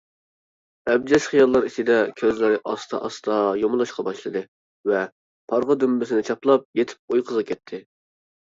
ئەبجەش خىياللار ئىچىدە كۆزلىرى ئاستا-ئاستا يۇمۇلۇشقا باشلىدى ۋە پارغا دۈمبىسىنى چاپلاپ يېتىپ ئۇيقۇغا كەتتى.